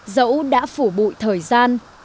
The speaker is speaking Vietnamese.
dẫu đã phủ bụi thời gian